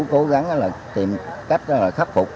cố gắng tìm cách khắc phục